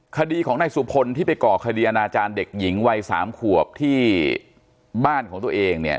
คดีของนายสุพลที่ไปก่อคดีอนาจารย์เด็กหญิงวัย๓ขวบที่บ้านของตัวเองเนี่ย